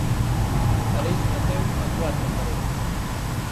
Para iso naceu A Cuarta Parede.